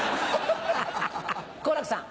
好楽さん。